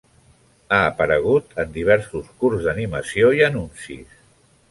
Ha aparegut en diversos curts d'animació i anuncis.